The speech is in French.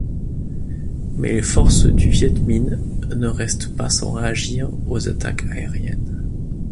Mais les forces du Viet-minh ne restent pas sans réagir aux attaques aériennes.